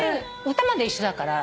歌まで一緒だから。